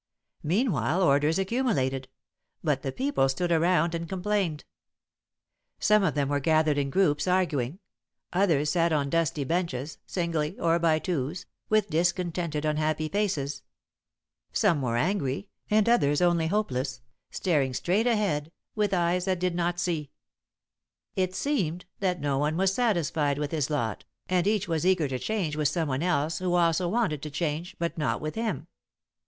Meanwhile orders accumulated, but the people stood around and complained. Some of them were gathered in groups, arguing; others sat on dusty benches, singly or by twos, with discontented, unhappy faces. Some were angry, and others only hopeless, staring straight ahead, with eyes that did not see. [Sidenote: No One Satisfied] "It seemed that no one was satisfied with his lot, and each was eager to change with someone else, who also wanted to change, but not with him.